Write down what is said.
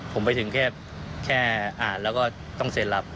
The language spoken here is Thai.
ผมไปถึงแค่อ่านแล้วก็ต้องเซ็นรับ